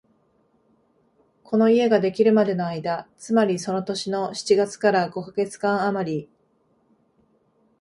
この家ができるまでの間、つまりその年の七月から五カ月間あまり、